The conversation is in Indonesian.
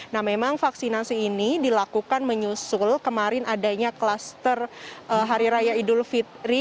nah memang vaksinasi ini dilakukan menyusul kemarin adanya kluster hari raya idul fitri